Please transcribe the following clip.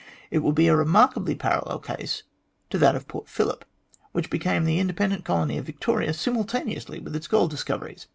It will be a remarkably parallel case to that of Port Phillip, which became the independent colony of Victoria simultaneously with its gold discoveries.